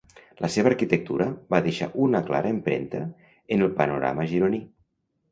La seva arquitectura va deixar una clara empremta en el panorama gironí.